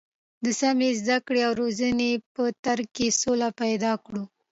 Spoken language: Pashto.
د سمې زده کړې او روزنې په تر کې سوله پیدا کړو.